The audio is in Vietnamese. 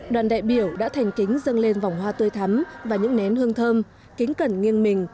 đoàn đại biểu đã thành kính dâng lên vòng hoa tươi thắm và những nén hương thơm kính cẩn nghiêng mình